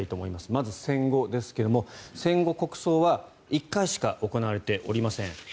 まず戦後ですが戦後、国葬は１回しか行われておりません。